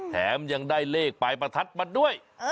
แถมยังได้เลขปลายประทัดมาด้วย